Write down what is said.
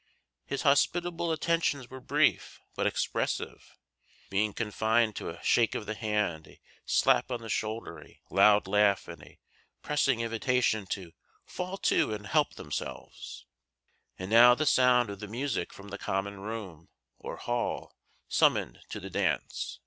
His hospitable attentions were brief, but expressive, being confined to a shake of the hand, a slap on the shoulder, a loud laugh, and a pressing invitation to "fall to and help themselves." And now the sound of the music from the common room, or hall, summoned to the dance.